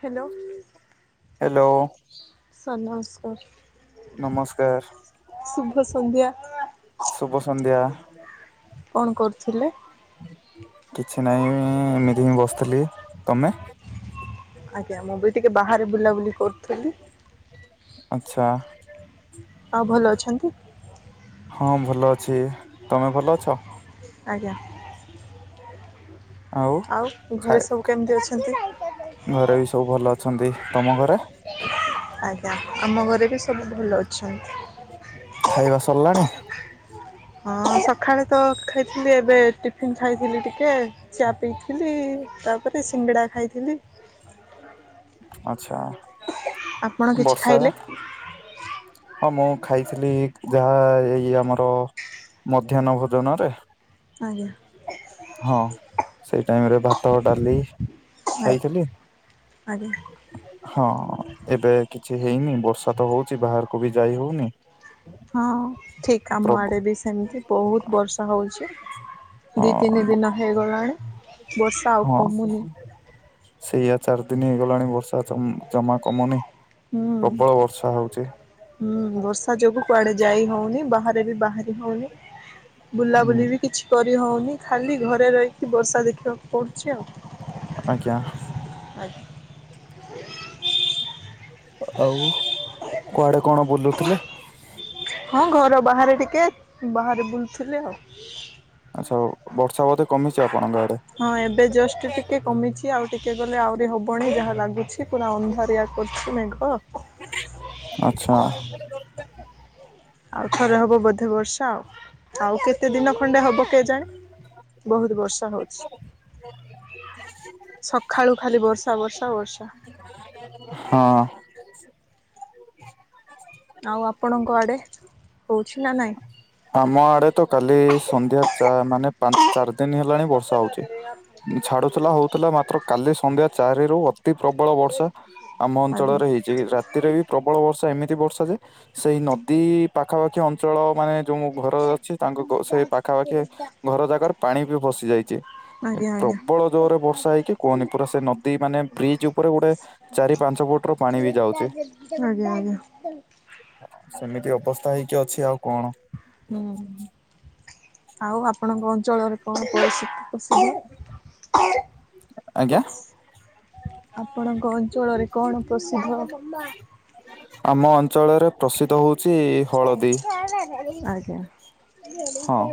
Hello hello sir ନମସ୍କାର। ନମସ୍କାର। ଶୁଭ ସନ୍ଧ୍ୟା। ସୁୁଭ ସନ୍ଧ୍ୟା। କଣ କରୁଥିଲେ? କିଛି ନାଇଁ ଏମିତି ହିଁ ବସିଥିଲି ତମେ? ଆଜ୍ଞା ମୁଁ ବି ଟିକେ ବାହାରେ ବୁଲାବୁଲି କରୁଥିଲି। ଆଚ୍ଛା। ଆଉ ଭଲ ଅଛନ୍ତି? ହଁ ଭଲ ଅଛି ତମେ ଭଲ ଅଛ? ଆଜ୍ଞା। ହଁ। ଆଉ ଘରେ ସବୁ କେମିତି ଅଛନ୍ତି। ଘରେ ବି ସବୁ ଭଲ ଅଛନ୍ତି ତମ ଘରେ। ଆଜ୍ଞା ଆମ ଘରେ ବି ସବୁ ଭଲ ଅଛନ୍ତି। ଖାଇବା ସରିଲାଣି। ହଁ ସକାଳେ ତ ଖାଇଥିଲି ଏବେ ଟିଫିିନ ଖାଇଥିଲି ଟିକେ ଚା ପିଇଥିଲି ତାପରେ ସିଙ୍ଗଡ଼ା ଖାଇଥିଲି। ଆଚ୍ଛା ଆପଣ କିଛି ବର୍ଷା। ଖାଇଲେ? ହଁ ମୁଁ ଖାଇଥିଲି ଯାହା ଏଇ ଆମର ମଧ୍ୟାହ୍ନ ଭୋଜନରେ ଆଜ୍ଞା। ହଁ ସେଇ ଟାଇମ ରେ ଭା ତ ଡାଲି ଆଜ୍ଞା ଖାଇଥିଲି। ଆଜ୍ଞା। ହଁ ଏବେ କିଛି ହେଇନି ବର୍ଷା ତ ହଉଛି ବାହାରକୁ ବି ଯାଇ ହଉନି। ହଁ ଠିକ୍ ଆମ ପ୍ରବ ଆଡ଼େ ବି ସେମିତି ବହୁତ ବର୍ଷା ହଉଚି। ହଁ ଦି ତିନି ଦିନ ହେଇଗଲାଣି ବର୍ଷା ଆଉ ହଁ କମୁନି। ସେଇଆ ଚାରି ଦିନ ହେଇଗଲାଣି ବର୍ଷା ଜ ଜମା କମୁନି ହୁଁ ପ୍ରବଳ ବର୍ଷା ହଉଚି। ହୁଁ ବର୍ଷା ଯୋଗୁ କୁଆଡେ ଯାଇ ହଉନି ବାହାରେ ବି ବାହାରି ହଉନି। ହୁଁ ବୁଲାବୁଲି ବି କିଛି କରିହଉନି ଖାଲି ଘରେ ରହିକି ବର୍ଷା ଦେଖିବାକୁ ପଡୁଚି ଆଉ। ଆଜ୍ଞା। ଆଉ କୁଆଡେ କଣ ବୁଲୁଥିଲେ। ହଁ ଘର ବାହାରେ ଟିକେ ବାହାରେ ବୁଲୁଥିଲି ଆଉ। ଆଛ ହଉ ବର୍ଷା ବୋଧେ କମିଛି ଆପଣଙ୍କ ଆଡେ। ହଁ ଏବେ ଜଷ୍ଟ ଟିକେ କମିଛି ଆଉ ଟିକେ ଗଲେ ଆହୁରି ହବଣି ଯାହା ଲାଗୁଛି ପୁରା ଅନ୍ଧାରିଆ କରୁଚି ମେଘ। [unintelligible] ଆଛା। ଆଉ ଥରେ ହବ ବୋଧେ ବର୍ଷା ଆଉ। ଆଉ କେତେ ଦିନ ଖଣ୍ଡେ ହବ କେଜାଣି ବହୁତ ବର୍ଷା ହଉଚି। ସକାଳୁ ଖାଲି ବର୍ଷା ବର୍ଷା ବର୍ଷା। ହଁ। ଆଉ ଆପଣଙ୍କ ଆଡ଼େ ହେଉଚି ନା ନାଇଁ। ଆମ ଆଡେ ତ କାଲି ସନ୍ଧ୍ୟା ଚା ମାନେ ପାଞ୍ଚ ଚାରି ଦିନି ହେଲାଣି ବର୍ଷା ହଉଚି। ଛାଡୁଥିଲା ହଉଥିଲା ମାତ୍ର କାଲି ସନ୍ଧ୍ୟା ଚାରି ରୁ ଅତି ପ୍ରବଳ ବର୍ଷା ଆମ ଆଜ୍ଞା ଅଞ୍ଚଳରେ ହେଇଛି ରାତିରେ ବି ପ୍ରବଳ ବର୍ଷା ଏମିତି ବର୍ଷା ଯେ ସେଇ ନଦୀ ପାଖାପାଖି ଅଞ୍ଚଳ ମାନେ ଯୋଉଁ ଘର ଅଛି ତାଙ୍କୁ ସେଇ ପାଖାପାଖି ଘର ଜାଗାରେ ପାଣି ବି ପସି ଯାଇଚି। ଆଜ୍ଞା ଆଜ୍ଞା। ପ୍ରବଳ ଜୋରରେ ବର୍ଷା ହେଇକି କୁହନି ପୁରା ସେ ନଦୀ ମାନେ ବ୍ରିଜ ଉପରେ ଗୋଟେ ଚାରି ପାଞ୍ଚ ଫୁଟ ରୁ ପାଣି ବି ଯାଉଚି। ଆଜ୍ଞା ଆଜ୍ଞା ସେମିତି ଅବସ୍ଥା ହେଇକି ଅଛି ଆଉ କଣ। ହୁଁ ଆଉ ଆପଣଙ୍କ ଅଞ୍ଚଳରେ କଣ ପ୍ରସିଦ୍ଧ। ଆଜ୍ଞା [unintelligible] ଆପଣଙ୍କ ଅଞ୍ଚଳରେ କଣ ପ୍ରସିଦ୍ଧ। ଆମ ଅଞ୍ଚଳରେ ପ୍ରସିଦ୍ଧ ହଉ ଆଜ୍ଞା। ହଁ।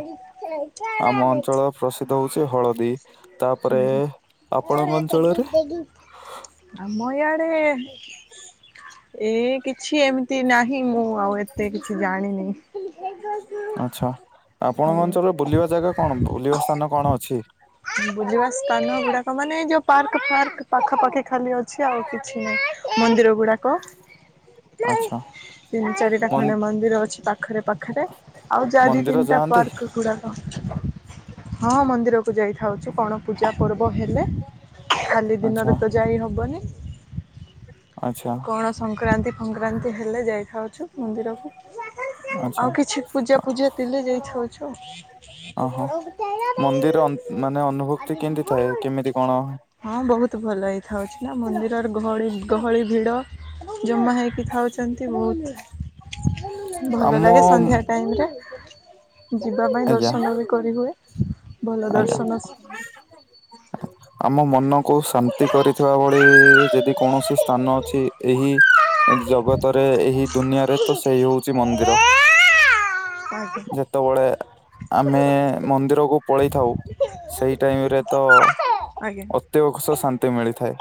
ଆମ ଅଞ୍ଚଳ ପ୍ରସିଦ୍ଧ ହଉଛି ହଳଦୀ ତାପରେ ହୁଁ। ଆପଣଙ୍କ ଅଞ୍ଚଳରେ ଆମ ଇଆଡେ ଏ କିଛି ଏମିତି ନାହିଁ ମୁଁ ଆଉ ଏତେ କିଛି ଜାଣିନି। ଆଛା ଆପଣଙ୍କ ଆଜ୍ଞା। ଅଞ୍ଚଳରେ ବୁଲିବା ଜାଗା କଣ ବୁଲିବା ସ୍ଥାନ କଣ ଅଛି। ବୁଲିବା ସ୍ଥାନ ଗୁଡାକ ମାନେ ଏଇ ଯୋଉ ପାର୍କ ଫାର୍କ ପାଖା ପାଖି ଖାଲି ଅଛି ଆଉ କିଛି ନାହିଁ। ମନ୍ଦିର ଗୁଡ଼ାକ ଆଚ୍ଛା ଏଟା ମନ୍ ଖଣ୍ଡେ ମନ୍ଦିର ଅଛି ପାଖରେ ପାଖରେ ଆଉ ଯା ଦି ମନ୍ଦିର ତିନିଟା ଯାଆନ୍ତି ପାର୍କଗୁଡା। ହଁ ମନ୍ଦିରକୁ ଯାଇଥାଉଛୁ କଣ ପୂଜା ପର୍ବ ହେଲେ। ଖାଲି ଆଚ୍ଛା ଦିନରେ ତ ଯାଇ ହବନି। ଆଚ୍ଛା। କଣ ସଂକ୍ରାନ୍ତି ଫକ୍ରାନ୍ତି ହେଲେ ଯାଇଖାଉଚୁ ମନ୍ଦିରକୁ। ଆଚ୍ଛା ଆଉ କିଛି ପୂଜା ପୂଜା ଥିଲେ ଯାଇଖାଉଛୁ। ଓହୋ। ମନ୍ଦିର ଅନ୍ ମାନେ ଅନୁଭୂତି କେମିତି ଥାଏ କେମିତି କଣ [unintelligible] ହଁ ବୋହୁତ ଭଲ ହେଇଥାଉଚି ନା ମନ୍ଦିରରେ ଗହଡି ଗହଳି ଭିଡ ଜମା ହେଇ ଖାଉଚନ୍ତି ବୋହୁତ ଭଲ ଆମ ଲାଗେ ସନ୍ଧ୍ୟା ଟାଇମରେ। ଯିବା ପାଇଁ ଆଜ୍ଞା ଦର୍ଶନ ବି କରିହୁଏ। ଭଲ ଆଜ୍ଞା ଦର୍ଶନ ଆମ ମନ କୁ ଶାନ୍ତି କରିଥିବା ଭଳି ଯଦି କୌଣସି ସ୍ଥାନ ଅଛି ଏହି ଜଗତରେ ଏହି ଦୁନିଆରେ ତ ସେହି ହୋଉଚି ମନ୍ଦିର ଆଜ୍ଞା ଯେତେବେଳେ ଆମେ ମନ୍ଦିରକୁ ପଳେଇଥାଉ ସେଇ ଟାଇମରେ ତ ଆଜ୍ଞା ଅତ୍ୟବକ୍ସ ଶାନ୍ତି ମିଳିଥାଏ।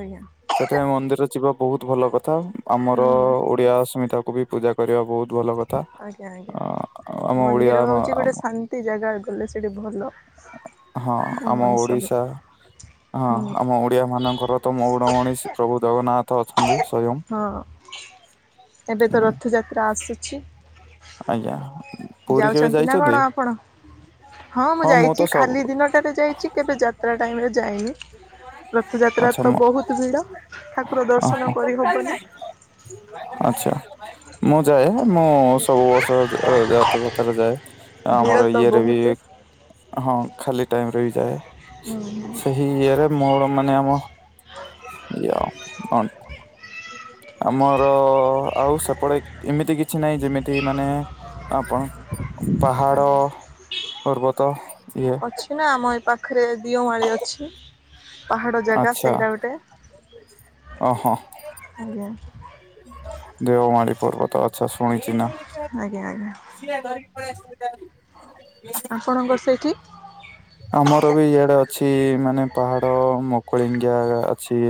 ଆଜ୍ଞା ସେଠି ମନ୍ଦିର ଯିବ ବୋହୁତ ଭଲ କଥା ଆମର ହୁଁ ଓଡିଆ ଅସ୍ମିତାକୁବି ପୂଜା କରିବା ବୋହୁତ ଭଲ କଥା ଆଜ୍ଞା ଆଜ୍ଞା। ଆ-ଆ-ଆମ ଓଡ଼ିଆ ଆମ ଆମ ଏଇ ଜାଗା ଗଲେ ସେଇଠି ଭଲ। ହଁ ଆମ ମଣିଷ ହୁଏ। ଓଡିଶା ହଁ ହୁଁ ଆମ ଓ ଓଡ଼ିଆ ମାନଙ୍କର ତ ମଉଡ଼ମଣି ଶି ପ୍ରଭୁ ଜଗନ୍ନାଥ ଅଛନ୍ତି ସ୍ବୟଂ। ହଁ ଏବେ ତ ରଥଯାତ୍ରା ଆସୁଛି। ଆଜ୍ଞା। ପୁରୀ କେବେ ଯାଉଚନ୍ତି ନା ଯାଇଛନ୍ତି? କଣ ଆପଣ ହଁ ମୁଁ ଯାଇଚି ଖାଲି ଦିନଟାରେ ଯାଇଚି କେବେ ଯା ଯାତ୍ରା ଟାଇମରେ ଯାଇନି। ଆଚ୍ଛା ରଥଯାତ୍ରାତ ବୋହୁତ୍ ଭିଡ଼ ଠାକୁର ଦର୍ଶନ କରିହବନି। ଆଛା। ମୁଁ ଯାଏ ମୁଁ ସବୁ ବର୍ଷ ଯା-ଆ-ରଥଯାତ୍ରା ଯାଏ। ଭିଡ଼ ଆମର ତ ଇଏରେ ବି ବହୁତ ହଁ ଖାଲି ଟାଇମରେ ବି ଯାଏ ସେହି ଇଏରେ ମୋର ମାନେ ଆମ ସେୟା ଆଉ କଣ ଆମର ଆଉ ସେପଟେ ଏମିତି କିଛି ନାହିଁ ଯେମିତି ମାନେ ଆପଣ ପାହାଡ ଆଜ୍ଞା। ପର୍ବତ ଇଏ ଅଛି ନା ଆମ ଏ ପାଖରେ ଦିଓମାଳି ଅଛି। ପାହାଡ଼ ଜାଗା ଆଚ୍ଛା ସେଇରା ଗୋଟେ ଆଜ୍ଞା। ଦେଓମାଳୀ ପର୍ବତ ଆଛା ଶୁଣିଚି ନା। ଆଜ୍ଞା ଆଜ୍ଞା ସିଏ ଧରିକି ପଳେଇ ସୁବିଧା ଆପଣଙ୍କର ସେଇଠି ଆମର ବି ଇଆଡେ ଅଛି ମାନେ ପାହାଡ ମକୁଳିଙ୍ଗିଆ ଅଛି।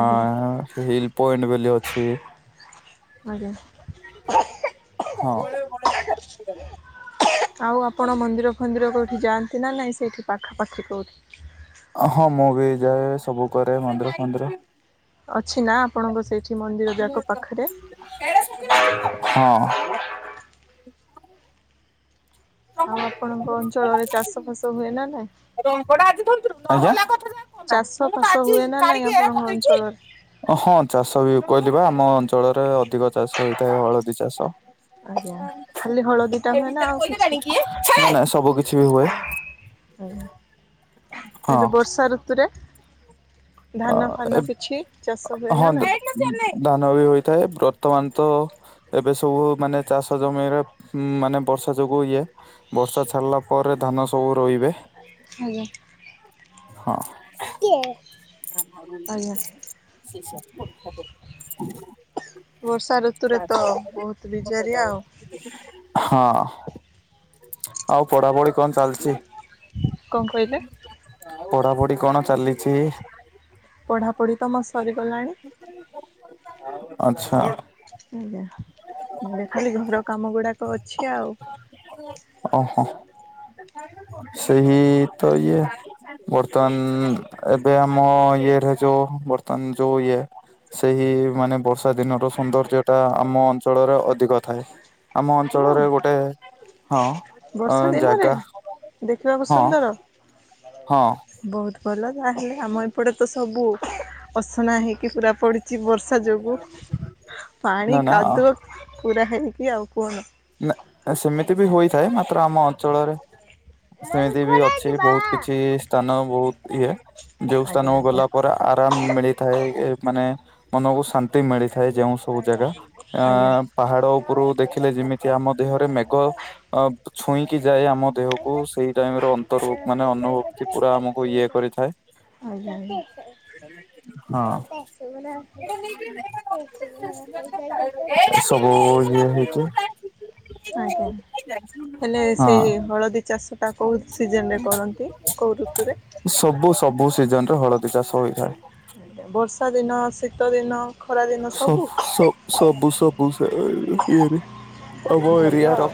ଆଜ୍ଞା ହିଲ୍ ପଏଣ୍ଟ ବୋଲି ଅଛି। ଆଜ୍ଞା। ଆଉ ହଁ ଆପଣ ମନ୍ଦିର ମନ୍ଦିର କୋଉଠି ଯାଆନ୍ତି ନା ନାଇଁ ସେଇଠି ପାଖାପାଖି କୋଉଠି? ହଁ ମୁଁ ବି ଯାଏ ସବୁ କରେ ମନ୍ଦିର ଫନ୍ଦିର। ଅଛି ନା ଆପଣଙ୍କ ସେଇଠି ମନ୍ଦିର ଯାକ ପାଖରେ? ହଁ। ଆଉ ଆପଣଙ୍କ ଅଞ୍ଚଳରେ ଚାଷ ଫାଷ ହୁଏ ନା ନାଇ? ଚାଷ ଫାସ ହୁଏ ନା ନାଇଁ ଆପଣଙ୍କ ଅଞ୍ଚଳରେ? ଆଜ୍ଞା? ଅହଁ ଚାଷ ବି କହିଲି ପା ଆମ ଅଞ୍ଚଳରେ ଅଧିକ ଚାଷ ହେଇଥାଏ ହଳଦୀ ଚାଷ। ଆଜ୍ଞା ଖାଲି ହଳଦୀଟା ହୁଏ ନା ଆଉ କିଛି? ନାଇ ନାଇ ସବୁ କିଛି ବି ହୁଏ। ହଁ ଏବେ ବର୍ଷା ଋତୁରେ ଧାନ ଫାନ କିଛି ଚାଷ ହୁଏ ହଁ ନା ନାହି? ଧାନ ବି ହୋଇଥାଏ ବର୍ତ୍ତମାନ ତ ଏବେ ସବୁ ମାନେ ଚାଷ ଜମିରେ ମାନେ ବର୍ଷା ଯୋଗୁ ଇଏ। ବର୍ଷା ଛାଡ଼ିଲା ପରେ ଧାନ ସବୁ ରୋଇବେ। ଆଜ୍ଞା ହଁ ଆଜ୍ଞା। ସେଖ [unintelligible] ବର୍ଷା ଋତୁରେ ତ ବହୁତ ବିଜାରିଆ ଆଉ। ହଁ ଆଉ ପଢାପଢି କଣ ଚାଲିଚି? କଣ କହିଲେ? ପଢାପଢି କଣ ଚାଲିଛି? ପଢ଼ାପଢ଼ି ତ ମୋ ସରିଗଲାଣି। ଆଛା ଆଜ୍ଞା ଏବେ ଖାଲି ଘର କାମ ଗୁଡ଼ାକ ଅଛି ଆଉ। ଓଃହ ସେହି ତ ଇଏ। ବର୍ତ୍ତମାନ ଏବେ ଆମ ଇଏରେ ଯୋଉ ବର୍ତ୍ତମାନ ଯୋଉ ଇଏ। ସେଇ ମାନେ ବର୍ଷା ଦିନର ସୌନ୍ଦର୍ଯ୍ୟ ଟା ଆମ। ଅଞ୍ଚଳରେ ଅଧିକ ଥାଏ ଆମ ହଁ ଅଞ୍ଚଳରେ ଗୋଟେ ହଁ। ଆଁ ବର୍ଷା ଦିନରେ ଜାଗା ଦେଖିବାକୁ ହଁ ସୁନ୍ଦର ହଁ। ବହୁତ ଭଲ ତାହେଲେ ଆମ ଏପଟେ ତ ସବୁ ଅସନା ହେଇକି ପୁରା ପଡ଼ିଛି। ଛି ବର୍ଷା ଯୋଗୁଁ ପାଣି ନା ନା କାଦୁଅ ପୁରା ହେଇକି ଆଉ କୁହନି। ନା ସେମିତି ବି ହୋଇଥାଏ ମାତ୍ର ଆମ ଅଞ୍ଚଳରେ ସେମିତି ବି ଅଛି ବହୁତ କିଛି ସ୍ଥାନ ବହୁତ ଇଏ ଯଉ ସ୍ଥାନକୁ ଆଜ୍ଞା ଗଲା ପରେ ଆରାମ ମିଳିଥାଏ ମାନେ ମନକୁ ଶାନ୍ତି ମିଳିଥାଏ ଯେଉଁ ସବୁ ଜାଗା ଆ ଆଜ୍ଞା ଆଜ୍ଞା ପାହାଡ ଉପରୁ ଦେଖିଲେ ଯେମିତି ଆମ ଦେହରେ ମେଘ ଅ ଛୁଇଁକି ଯାଏ ଆମ ଦେହକୁ, ସେଇ ଟାଇମରେ ଅନ୍ତର୍ଭୋଗ ମାନେ ଅନୁଭକ୍ ପୁରା ଆମକୁ ଇଏ କରିଥାଏ ଆଜ୍ଞା ଆଜ୍ଞା ହଁ ଏ ସବୁ ଇଏ ହେଇଛି ଆଜ୍ଞା ହେଲେ ହଁ ସେଇ ହଳଦୀ ଚାଷଟା କେଉଁ ସିଜନ ରେ କରନ୍ତି କେଉଁ ଋତୁରେ? ସବୁ ସବୁ ସିଜନ ରେ ହଳଦୀ ଚାଷ ହୋଇଥାଏ? ବର୍ଷା ଦିନ, ଶୀତ ଦିନ ଖରା ଦିନ ସବୁ ସ ସବୁ ସବୁ ସେ ଇଏରେ। ଆମ ଭଲ ଏରିଆ ର ଆଉ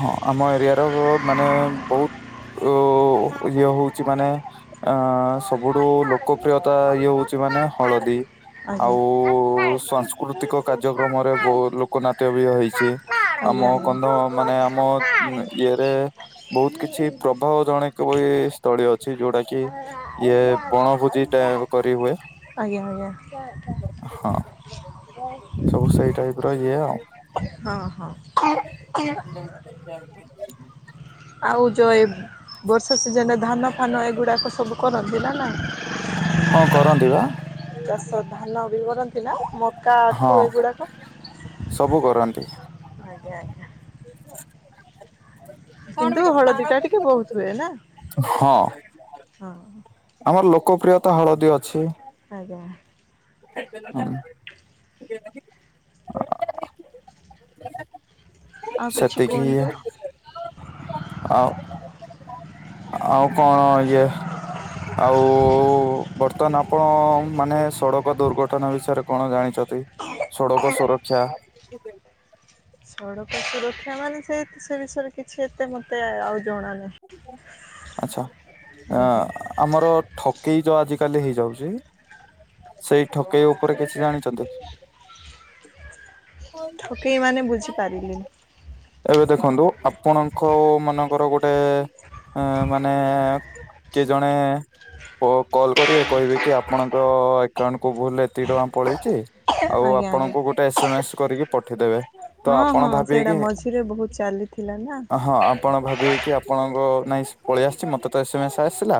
ହଁ ଆମ ଏରିଆ ର ମାନେ ବହୁତ ଓ ଇଏ ହଉଛି ମାନେ ଅ ସବୁଠୁ ଲୋକପ୍ରିୟତା ଇଏ ହଉଛି ମାନେ ହଳଦୀ। ଆଜ୍ଞା। ଆଉ ସାଂସ୍କୃତିକ କାର୍ଯ୍ୟକ୍ରମରେ ବହୁ ଲୋକ ନାଟ୍ୟ ବି ହେଇଛି। ଆଜ୍ଞା ଆମ ଆଜ୍ଞା। କନ୍ଧ ମାନେ ଆମ ଇଏରେ ବହୁତ କିଛି ପ୍ର ବହୁତ ଜଣେକ ବି ସ୍ଥଳୀ ଅଛି ଯୋଉଟା କି ଇଏ ବଣଭୋଜି ଟା କରିହୁଏ। ଆଜ୍ଞା ଆଜ୍ଞା ହଁ ସବୁ ସେଇ ଟାଇପ ର ଇଏ ଆଉ। ହଁ ହଁ ଆଛା ଆଉ ଯେଉଁ ଏ ବର୍ଷା ସିଜନେ ଧାନ ଫାନ ଏଗୁଡ଼ାକ ସବୁ କରନ୍ତି ନା? ହଁ କରନ୍ତି ବାଃ ଚାଷ ଧାନ ବି କରନ୍ତି ନା ମୋ ହଁ ସବୁ କରନ୍ତି ଆଜ୍ଞା ଆଜ୍ଞା। କିନ୍ତୁ ହଳଦୀଟା ଟିକେ ବହୁତ ହୁଏ ନା ହଁ। ହଁ ଆମର ଲୋକପ୍ରିୟତା ହଳଦୀ ଅଛି। ଆଜ୍ଞା। ହୁଁ। ଆଉ କିଛି ସେତିକି ଇଏ କୁହନ୍ତୁ। ଆଉ, ଆଉ କଣ ଇଏ ଆଉ ବର୍ତ୍ତମାନ ଆପଣ ମାନେ ସଡକ ଦୁର୍ଘଟଣା ବିଷୟରେ କଣ ଜାଣିଚ ସଡ଼କ ସୁରକ୍ଷା। ସଡ଼କ ସୁରକ୍ଷା ମାନେ ସେଇ ସେ ବିଷରେ କିଛି ଏତେ ମତେ ଆଉ ଜଣାନାହିଁ। ଆଚଛା ଆଜ୍ଞା ଆଁ ଆମର ଠକେଇ ଯଉ ଆଜିିକାଲି ହେଇଯାଉଛି। ସେଇ ଠକେଇ ଉପରେ କିଛି ଜାଣିଛନ୍ତି କି? [unintelligible] ଠକେଇ ମାନେ ବୁଝିପାରିଲିନି। ଏବେ ଦେଖନ୍ତୁ ଆପଣଙ୍କ ମାନଙ୍କର ଗୋଟେ ମାନେ କେ ଜଣେ ଓ କଲ୍ କରିବେ କହିବେ କି ଆପଣଙ୍କ ଆକାଉଣ୍ଟକୁୁ ଭୁଲ ଏତିକି ଟଙ୍କା ପଳେଇଛି ଆଉ ଆଜ୍ଞା ଆଜ୍ଞା ଆପଣଙ୍କୁ ଗୋଟେ ଏସ ଏମ ଏସ୍ କରିକି ପଠେଇଦେବେ, ତ ଆପଣ ଭାବିବେ କି ଥିରେ ବହୁତ ଚାଲିଥିଲା ନା ହଁ ଆପଣ ଭାବିବେ କି ଆପଣଙ୍କ ନାଇଁ ପଳେଇ ଆସିଛି, ମତେ ତ ଏସେ ମେସ ଆସିଲା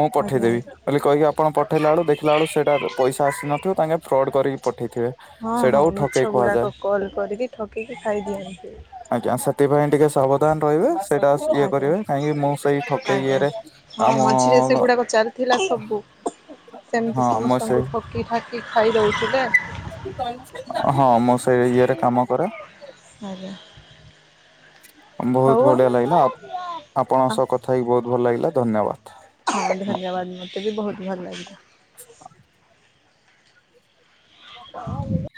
ମୁଁ ଆଜ୍ଞା ପଠେଇଦେବି। ଆଜ୍ଞା। ବୋଲି କହିକ ଆପଣ ପଠେଇଲା ବେଳକୁ ଦେଖିଲା ଆଳୁକୁ ସେଇଟା ପଇସା ଆସିନଥିବ ତାଙ୍କେ ଫ୍ରଡ଼୍ କରିକି ପଠେଇଥିବେ। ହଁ ହଁ ସେଇଟାକୁ ମିଛ ଠକେଇ ଗୁଡ଼ାକ କୁହାଯାଏ। କଲ୍ କରିକି ଠକିକି ଖାଇଦିଅନ୍ତି। ଆଜ୍ଞା, ସେଥିପାଇଁ ଟିକେ ସାବଧାନ ରହିବେ। ସେଇଟା ଇଏ ଆଜ୍ଞା କରିବେ, କାହିଁକି ମୁଁ ସେଇ ଠକେଇ ଆଜ୍ଞା ଇଏରେ ହଁ ଆମ ମଝିରେ ସେଗୁଡ଼ାକ ଚାଲିଥିଲା ସବୁ। ସେମିତି ହଁ ମୁଁ ସମସ୍ତଙ୍କୁ ସେଇ ଠକି ଠାକି ଖାଇ ଦଉଛି ନା। ହଁ ମୁଁ ସେଇ ଇଏରେ କାମ କରେ। ଆଜ୍ଞା। ହଉ ବହୁତ ବଢିଆ ଆମେ ଲାଗିଲା, ଆପଣଙ୍କ ସହ କଥା ହେଇକି ବହୁତ ଭଲ ଲାଗିଲା ଧନ୍ୟବାଦ। ହଁ ଧନ୍ୟବାଦ ମୋତେ ବି ବହୁତ ଭଲ ଲାଗିଲା। [inaudible] [inaudible]